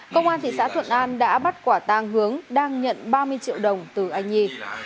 công an thị xã thuận an đã bắt quả tang hướng đang nhận ba mươi triệu đồng từ anh nhi